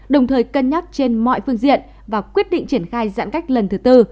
đồng thời cân nhắc trên mọi phương diện và quyết định triển khai giãn cách lần thứ tư